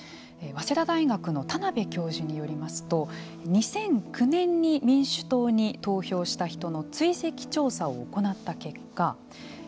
早稲田大学の田辺教授によりますと２００９年に民主党に投票した人の追跡調査を行った結果